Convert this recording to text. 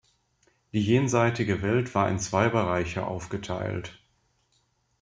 Die jenseitige Welt war in zwei Bereiche aufgeteilt.